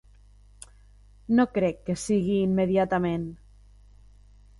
No crec que sigui immediatament.